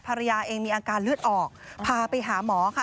ภรรยาเองมีอาการเลือดออกพาไปหาหมอค่ะ